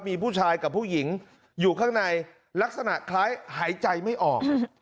มีผู้ชายกับผู้หญิงอยู่ข้างในลักษณะคล้ายหายใจไม่ออก